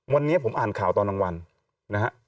วันนี้ผมอ่านข่าวตอนกลางวันนะฮะ